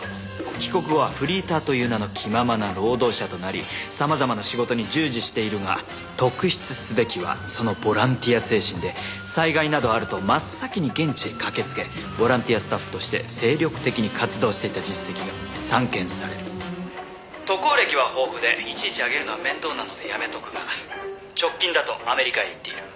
「帰国後はフリーターという名の気ままな労働者となり様々な仕事に従事しているが特筆すべきはそのボランティア精神で災害などあると真っ先に現地へ駆けつけボランティアスタッフとして精力的に活動していた実績が散見される」「渡航歴は豊富でいちいち挙げるのは面倒なのでやめとくが直近だとアメリカへ行っている」